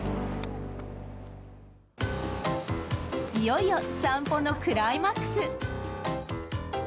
いよいよ散歩のクライマックス！